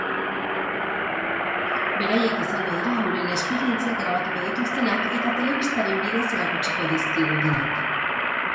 Beraiek izango dira euren esperientziak grabatuko dituztenak eta telebistaren bidez erakutsiko dizkigutenak.